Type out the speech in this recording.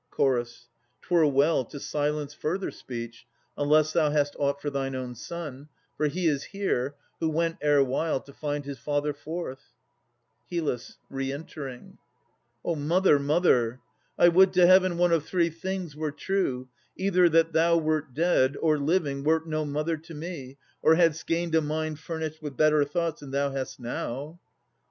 CH. 'Twere well to say no more, unless thou hast aught To impart to thine own son: for he is here, Who went erewhile to find his father forth. HYLLUS (re entering). O mother, mother! I would to heaven one of three things were true: Either that thou wert dead, or, living, wert No mother to me, or hadst gained a mind Furnished with better thoughts than thou hast now!